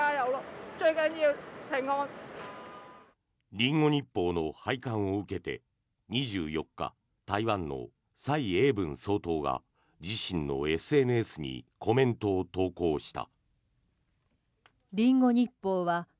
リンゴ日報の廃刊を受けて２４日、台湾の蔡英文総統が自身のＳＮＳにコメントを投稿した。